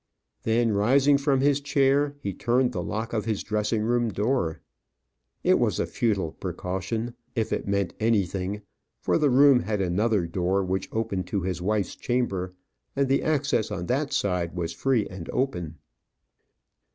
Then, rising from his chair, he turned the lock of his dressing room door. It was a futile precaution, if it meant anything, for the room had another door, which opened to his wife's chamber, and the access on that side was free and open.